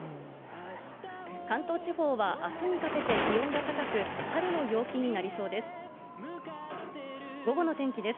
関東地方は明日にかけて気温が高く、春の陽気になりそうです。